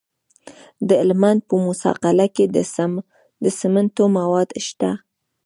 د هلمند په موسی قلعه کې د سمنټو مواد شته.